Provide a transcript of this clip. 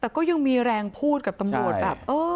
แต่ก็ยังมีแรงพูดกับตำรวจแบบ